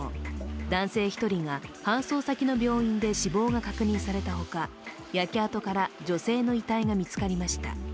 男性１人が搬送先の病院で死亡が確認されたほか焼け跡から女性の遺体が見つかりました。